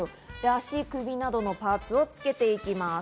足、首などのパーツをつけていきます。